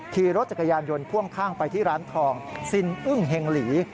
ขี่รถจักรยานยนต์พ่วงข้างไปที่ร้านทองซินอึ้งเฮงหลี